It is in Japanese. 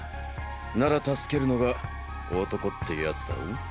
なら助けるのが男ってやつだろう？